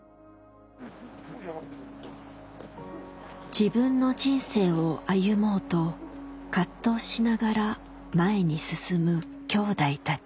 自分の人生を歩もうと葛藤しながら前に進むきょうだいたち。